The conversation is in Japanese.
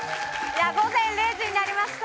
午前０時になりました。